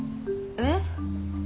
えっ？